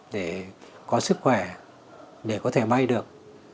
để có sức khỏe để có thể bay được